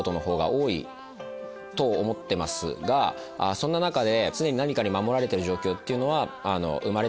そんな中で。